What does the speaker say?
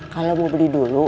kamu nggak punya kue